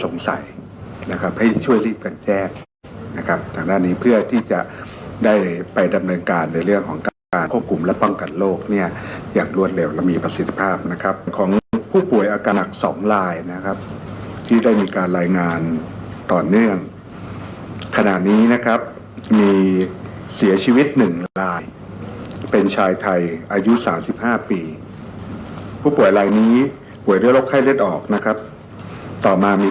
นะครับให้ช่วยรีบกันแจ้งนะครับทางด้านนี้เพื่อที่จะได้ไปดำเนินการในเรื่องของการการควบคุมและป้องกันโรคเนี่ยอย่างรวดเร็วและมีประสิทธิภาพนะครับของผู้ป่วยอาการหนักสองลายนะครับที่ได้มีการรายงานต่อเนื่องขณะนี้นะครับมีเสียชีวิตหนึ่งรายเป็นชายไทยอายุสามสิบห้าปีผู้ป่วยลายนี้ป่วยด้วยโรคไข้เลือดออกนะครับต่อมามี